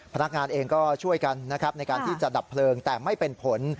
พนักงานเองก็ช่วยกันนะครับในการที่จะดับเพลิงแต่ไม่เป็นผล